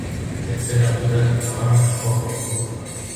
Tenperaturak nabarmen joko du gora.